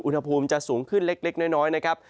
อุณหภูมิจะสูงขึ้นเล็กน้อยนะครับ